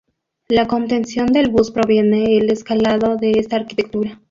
La contención del bus previene el escalado de esta arquitectura.